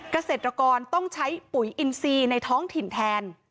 เกษตรกรต้องใช้ปุ๋ยอินซีในท้องถิ่นแทน